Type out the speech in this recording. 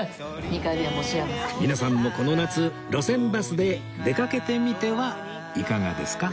皆さんもこの夏路線バスで出かけてみてはいかがですか？